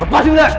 eh lepasin udah